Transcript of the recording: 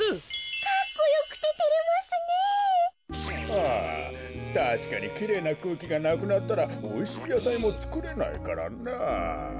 ああたしかにきれいなくうきがなくなったらおいしいやさいもつくれないからなあ。